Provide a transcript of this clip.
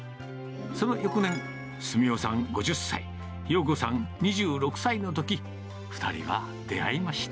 その翌年、純夫さん５０歳、洋子さん２６歳のとき、２人は出会いました。